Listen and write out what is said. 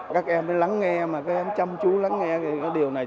các em lắng nghe các em chăm chú lắng nghe điều này